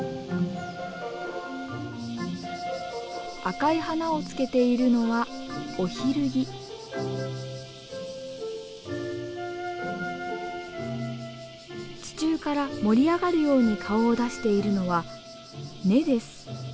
赤い花をつけているのは地中から盛り上がるように顔を出しているのは根です。